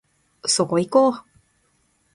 そこいこ